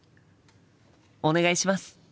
お願いします！